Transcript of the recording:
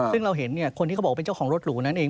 ซึ่งเราเห็นคนที่เขาบอกว่าเป็นเจ้าของรถหรูนั้นเอง